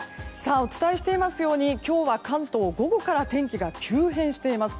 お伝えしていますように今日は関東、午後から天気が急変しています。